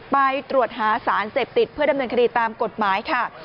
ไปตรวจหาสารเสพติดเพื่อดำเนินคดีตามกฎหมายค่ะ